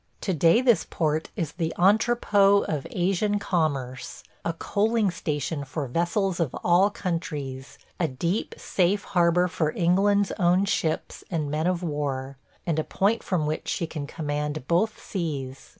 To day this port is the entrepôt of Asian commerce, a coaling station for vessels of all countries, a deep, safe harbor for England's own ships and men of war, and a point from which she can command both seas.